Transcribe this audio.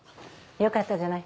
よかったじゃない。